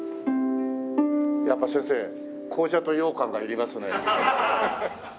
やっぱ先生紅茶とようかんがいりますね。